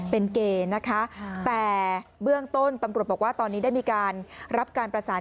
เป็นเกย์นะคะแต่เบื้องต้นตำรวจบอกว่าตอนนี้ได้มีการรับการประสาน